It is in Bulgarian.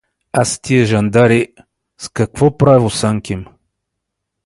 — Аз тия жандари… С какво право, санким!